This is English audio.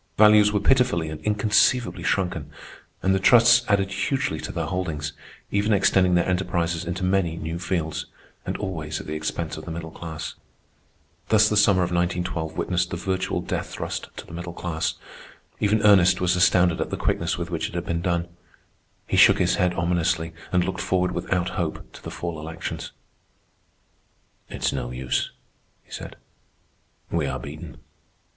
Values were pitifully and inconceivably shrunken, and the trusts added hugely to their holdings, even extending their enterprises into many new fields—and always at the expense of the middle class. Thus the summer of 1912 witnessed the virtual death thrust to the middle class. Even Ernest was astounded at the quickness with which it had been done. He shook his head ominously and looked forward without hope to the fall elections. "It's no use," he said. "We are beaten.